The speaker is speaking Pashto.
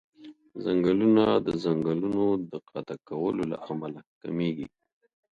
ځنګلونه د ځنګلونو د قطع کولو له امله کميږي.